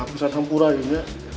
maaf bisa nampur aja